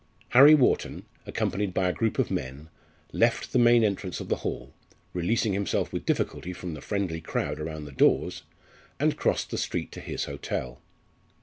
Harry Wharton, accompanied by a group of men, left the main entrance of the hall, releasing himself with difficulty from the friendly crowd about the doors and crossed the street to his hotel.